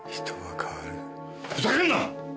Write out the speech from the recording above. ふざけんな！